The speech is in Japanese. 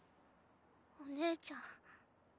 お姉ちゃん。